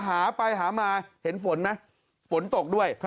หาไปหามาเห็นฝนไหมฝนตกด้วย